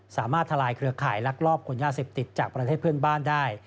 ทลายเครือข่ายลักลอบขนยาเสพติดจากประเทศเพื่อนบ้านได้